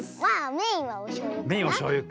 メインはおしょうゆか。